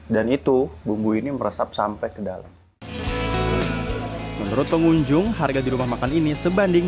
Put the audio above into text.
dan itu bumbu ini meresap sampai ke dalam menurut pengunjung harga di rumah makan ini sebanding